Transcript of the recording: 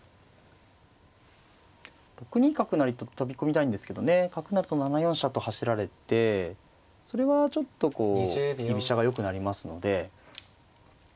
６二角成と飛び込みたいんですけどね角成ると７四飛車と走られてそれはちょっとこう居飛車がよくなりますので。